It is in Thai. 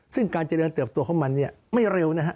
ซึ่งการเจริญเติบตัวของมันไม่เร็วนะครับ